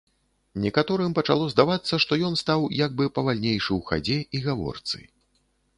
Некаторым пачало здавацца, што ён стаў як бы павальнейшы ў хадзе і гаворцы.